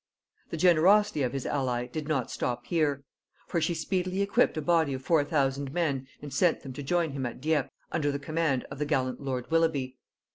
The generosity of his ally did not stop here; for she speedily equipped a body of four thousand men and sent them to join him at Dieppe under command of the gallant lord Willoughby.